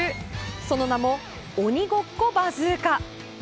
その名も、鬼ごっこバズーカ。